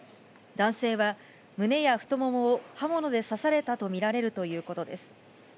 男性は胸や太ももを刃物で刺されたと見られるということです。